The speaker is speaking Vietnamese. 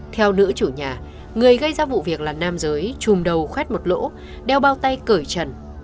theo nữ chủ nhà người gây ra vụ việc là nam giới trùm đầu khoét một lỗ đeo bao tay cởi trần